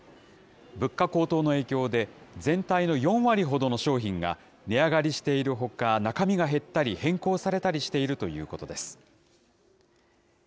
物価高騰の影響で、全体の４割ほどの商品が値上がりしているほか、中身が減ったり変更されたりしているということです。